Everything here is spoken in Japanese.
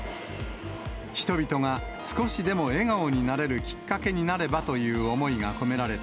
人々が少しでも笑顔になれるきっかけになればという思いが込められた